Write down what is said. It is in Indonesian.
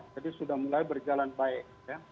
jadi sudah mulai berjalan baik